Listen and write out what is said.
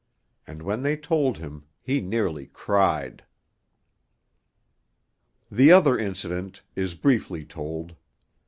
And when they told him he nearly cried. II The other incident is briefly told.